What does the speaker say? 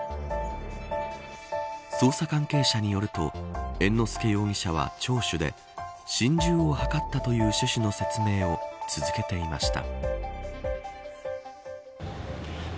捜査関係者によると猿之助容疑者は聴取で心中を図ったという趣旨の説明を続けていました。